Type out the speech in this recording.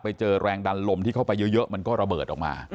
ไปเจอแรงดันลมที่เข้าไปเยอะมันก็ระเบิดออกมา